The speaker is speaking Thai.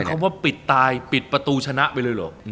คำว่าปิดตายปิดประตูชนะไปเลยเหรอ